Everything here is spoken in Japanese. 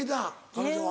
彼女は。